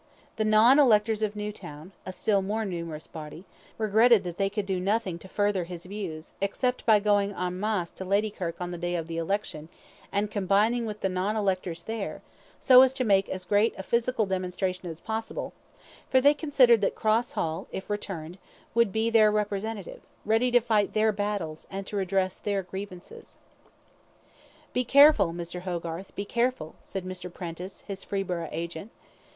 The non electors of Newtown a still more numerous body regretted that they could do nothing to further his views, except by going EN MASSE to Ladykirk on the day of the election, and combining with the non electors there, so as to make as great a physical demonstration as possible, for they considered that Cross Hall, if returned, would be their representative ready to fight their battles, and to redress their grievances. "Be careful, Mr. Hogarth, be careful," said Mr. Prentice, his Freeburgh agent.